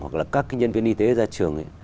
hoặc là các nhân viên y tế ra trường